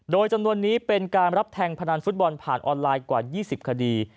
โดยจำนวนนี้เป็นการรับแทงพนันฟุตบอลผ่านออนไลน์กว่า๒๐คดี